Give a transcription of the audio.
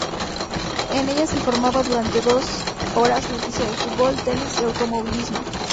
En ella se informaban durante dos horas noticias del fútbol, tenis y automovilismo.